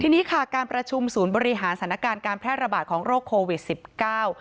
ทีนี้ค่ะการประชุมศูนย์บริหารสถานการณ์การแพร่ระบาดของโรคโควิดสิบเก้า